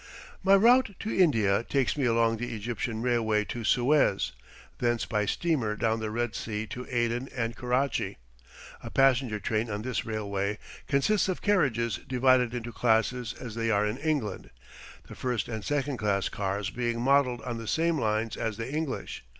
My route to India takes me along the Egyptian Railway to Suez, thence by steamer down the Red Sea to Aden and Karachi. A passenger train on this railway consists of carriages divided into classes as they are in England, the first and second class cars being modelled on the same lines as the English.